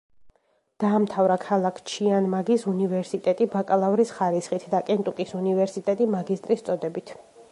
დაამთავრა ქალაქ ჩიანგმაის უნივერსიტეტი ბაკალავრის ხარისხით და კენტუკის უნივერსიტეტი მაგისტრის წოდებით.